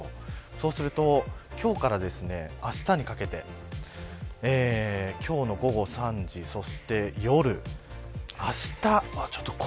そうすると今日からあしたにかけて今日の午後３時、そして夜あした。